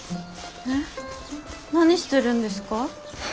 えっ何してるんですか？